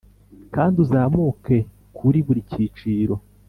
kandi uzamuke kuri buri cyiciro